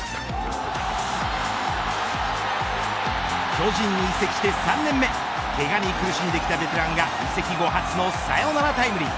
巨人に移籍して３年目けがに苦しんできたベテランが移籍後初のサヨナラタイムリー。